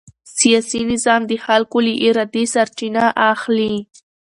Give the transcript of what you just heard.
سیاسي نظام د خلکو له ارادې سرچینه اخلي